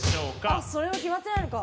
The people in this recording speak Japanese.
あそれも決まってないのか。